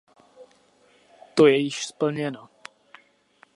To je již splněno.